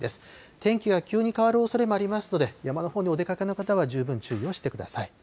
天気が急に変わるおそれもありますので、山のほうにお出かけの方は十分注意をしてください。